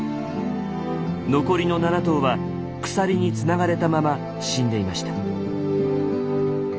残りの７頭は鎖につながれたまま死んでいました。